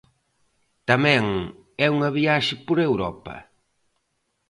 Tamén é unha viaxe por Europa.